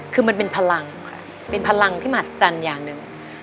คือมันเป็นพลังค่ะเป็นพลังที่มหัศจรรย์อย่างหนึ่ง